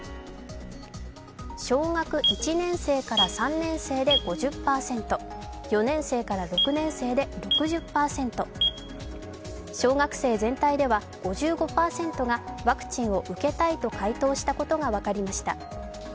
小学１年生から３年生で５０％、４年生から６年生で６０％、小学生全体では５５％がワクチンを受けたいと回答したことが分かりました。